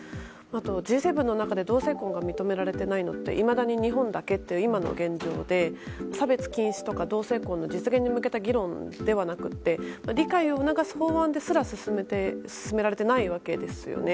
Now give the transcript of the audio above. Ｇ７の中で同性婚が認められていないのはいまだに日本だけという今の現状で差別禁止とか同性婚の実現に向けた議論ではなくて理解を促す法案ですら進められていないわけですよね。